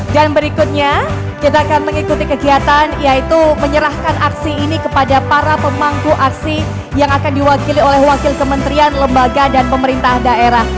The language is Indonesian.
dan berikutnya kita akan mengikuti kegiatan yaitu menyerahkan aksi ini kepada para pemangku aksi yang akan diwakili oleh wakil kementerian lembaga dan pemerintah daerah